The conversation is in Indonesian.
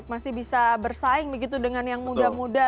masih bisa bersaing begitu dengan yang muda muda